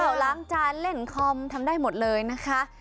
ล้างจานเล่นคอมทำได้หมดเลยนะคะ